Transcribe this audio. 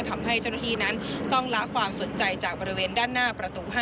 ทำให้เจ้าหน้าที่นั้นต้องละความสนใจจากบริเวณด้านหน้าประตู๕